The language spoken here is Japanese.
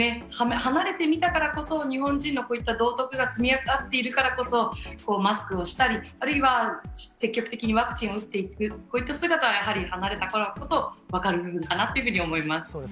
離れてみたからこそ、日本人のこういった道徳が積み上がっているからこそ、マスクをしたり、あるいは積極的にワクチンを打っていく、こういった姿はやはり、離れたからこそ分かる部分かなと思います。